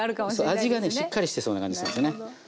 味がねしっかりしてそうな感じするんですよね。